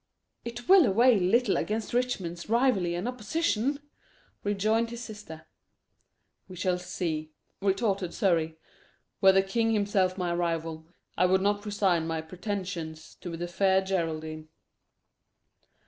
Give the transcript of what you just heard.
"It will avail little against Richmond's rivalry and opposition," rejoined his sister. "We shall see," retorted Surrey. "Were the king himself my rival, I would not resign my pretensions to the Fair Geraldine."